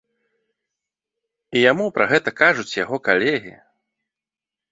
І яму пра гэта кажуць яго калегі.